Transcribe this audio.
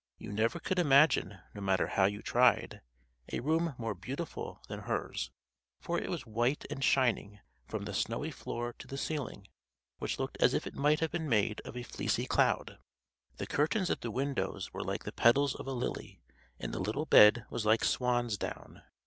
You never could imagine, no matter how you tried, a room more beautiful than hers; for it was white and shining from the snowy floor to the ceiling, which looked as if it might have been made of a fleecy cloud. The curtains at the windows were like the petals of a lily, and the little bed was like swan's down.